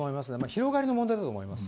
広がりの問題でもあると思います。